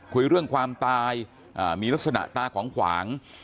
คุยเรื่องความตายมีลักษณะตาขวางขวาง